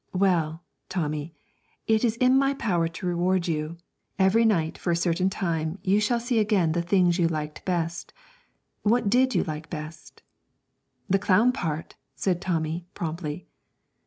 Well, Tommy, it is in my power to reward you; every night for a certain time you shall see again the things you liked best. What did you like best?' 'The clown part,' said Tommy, promptly.